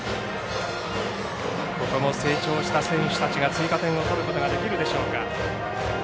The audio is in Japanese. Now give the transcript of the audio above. ここも成長した選手たちが追加点を取ることができるでしょうか。